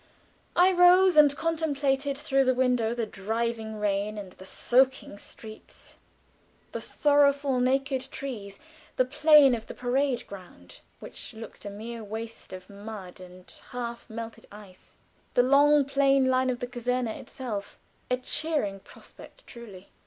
I rose and contemplated through the window the driving rain and the soaking street, the sorrowful naked trees, the plain of the parade ground, which looked a mere waste of mud and half melted ice; the long plain line of the Caserne itself a cheering prospect truly!